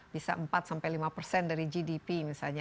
bisa empat sampai lima persen dari gdp misalnya